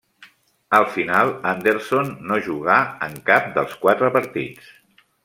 Al final Anderson no jugà en cap dels quatre partits.